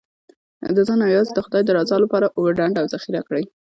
د ځان او یوازې د خدای د رضا لپاره اوبه ډنډ او ذخیره کړئ.